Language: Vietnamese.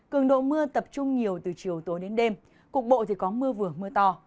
cường độ mưa tập trung nhiều từ chiều tối đến đêm cục bộ thì có mưa vừa mưa to